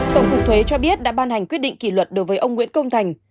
tổng cục thuế cho biết đã ban hành quyết định kỷ luật đối với ông nguyễn công thành